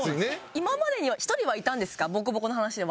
今までに一人はいたんですか？